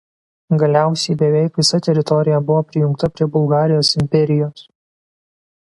Galiausiai beveik visa teritorija buvo prijungta prie Bulgarijos imperijos.